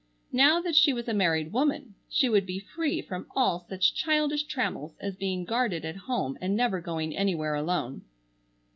Now that she was a married woman she would be free from all such childish trammels as being guarded at home and never going anywhere alone.